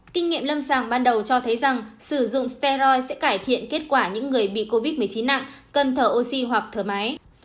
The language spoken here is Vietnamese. kinh nghiệm lâm sàng ban đầu cho thấy rằng sử dụng sty sẽ cải thiện kết quả những người bị covid một mươi chín nặng cần thở oxy hoặc thở máy